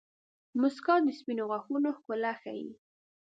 • مسکا د سپینو غاښونو ښکلا ښيي.